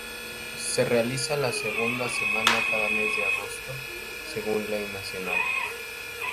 Se realiza la segunda semana cada mes de agosto, según Ley Nacional.